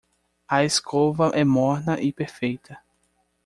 A escova é morna e perfeita